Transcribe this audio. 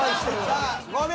さあ５秒。